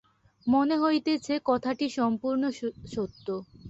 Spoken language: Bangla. মনে হইতেছে, কথাটি সম্পূর্ণ সত্য।